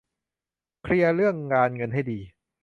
เคลียร์เรื่องการเงินให้ดี